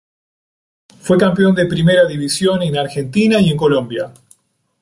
Fue campeón de Primera División en Argentina y en Colombia.